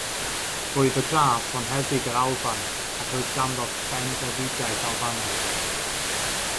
Roedd o dras fonheddig yr Alban, ac roedd ganddo bendefigaeth Albanaidd.